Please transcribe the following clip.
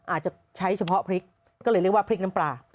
อาจจะใช้เฉพาะพริกก็เลยเรียกว่าพริกน้ำปลา